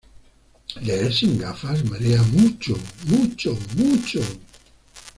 ¡ leer sin gafas! ¡ marea mucho mucho mucho!